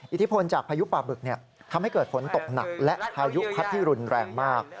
อิทธิพลจากพายุป่าบึกทำให้เกิดฝนตกหนักและพายุพัดที่รุนแรงมาก